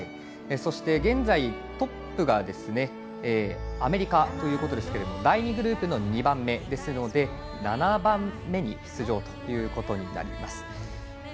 そして、現在トップがアメリカということですけども第２グループの２番目ですので７番目に出場ということになります。